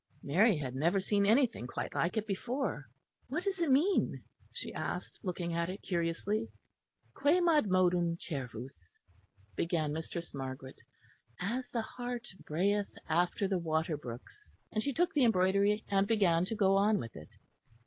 Mary had never seen anything quite like it before. "What does it mean?" she asked, looking at it curiously. "Quemadmodum cervus," began Mistress Margaret; "as the hart brayeth after the waterbrooks," and she took the embroidery and began to go on with it.